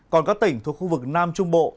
còn các tỉnh thuộc khu vực nam trung bộ